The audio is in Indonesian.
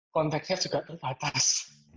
kontaktnya juga terbatas